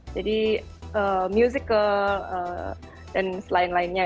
jadi musical dan lain lainnya